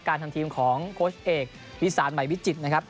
ทำทีมของโค้ชเอกวิสานใหม่วิจิตรนะครับ